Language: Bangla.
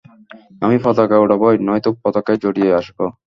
আমি পতাকা উড়াবই, নয়তো পতাকায় জড়িয়ে আসব।